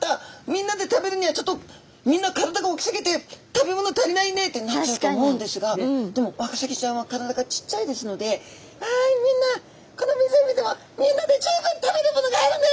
みんなで食べるにはちょっとみんな体が大きすぎて食べ物足りないね」ってなっちゃうと思うんですがでもワカサギちゃんは体がちっちゃいですので「わいみんなこの湖でもみんなで十分食べるものがあるね」